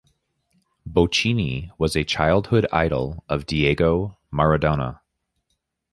Bochini was a childhood idol of Diego Maradona.